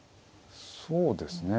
そうですね。